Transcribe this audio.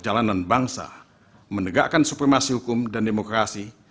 jalanan bangsa menegakkan supremasi hukum dan demokrasi